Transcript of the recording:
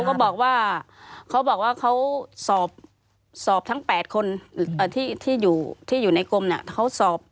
เขาก็บอกว่าเขาบอกว่าเขาสอบทั้ง๘คนที่อยู่ในกรมเนี่ย